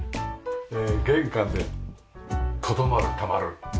ええ玄関でとどまるたまる。